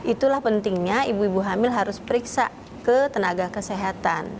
itulah pentingnya ibu ibu hamil harus periksa ke tenaga kesehatan